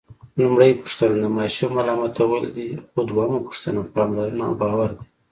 لومړۍ پوښتنه د ماشوم ملامتول دي، خو دویمه پوښتنه پاملرنه او باور دی.